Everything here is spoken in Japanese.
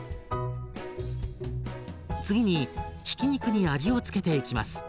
次にひき肉に味を付けていきます。